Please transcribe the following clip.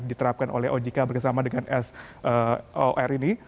diterapkan oleh ojk bersama dengan sor ini